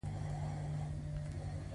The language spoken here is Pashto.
پانګوال د کارګرانو کاري ځواک پېري